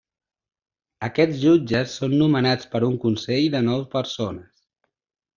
Aquests jutges són nomenats per un consell de nou persones.